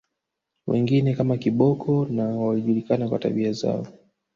Wengine kama Kiboko na walijulikana kwa tabia zao